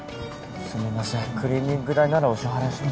すみませんクリーニング代ならお支払いしますので。